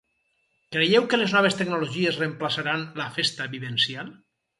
Creieu que les noves tecnologies reemplaçaran la festa vivencial?